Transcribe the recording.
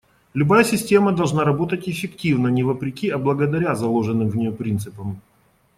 Любая система должна работать эффективно не вопреки, а благодаря заложенным в нее принципам.